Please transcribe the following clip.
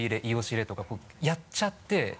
「いおしれ」とかやっちゃって。